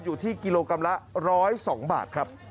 อยู่ที่กิโลกรัมละ๑๐๒บาทครับ